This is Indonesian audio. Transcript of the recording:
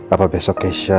apa besok kesya